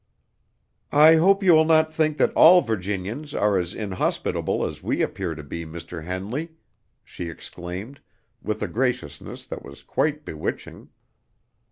"I hope you will not think that all Virginians are as inhospitable as we appear to be, Mr. Henley," she exclaimed, with a graciousness that was quite bewitching.